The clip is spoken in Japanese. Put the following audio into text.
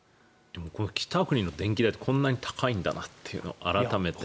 北国の電気代ってこんなに高いんだなって改めて。